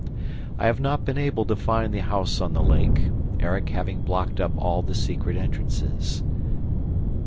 I have not been able to find the house on the lake, Erik having blocked up all the secret entrances.